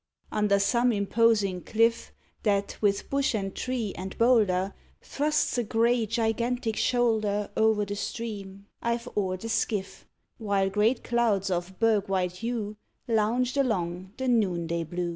Under some imposing cliff, That, with bush and tree and boulder, Thrusts a gray, gigantic shoulder O'er the stream, I've oared a skiff, While great clouds of berg white hue Lounged along the noonday blue.